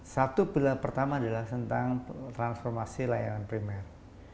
satu pilar pertama adalah tentang transformasi layanan primer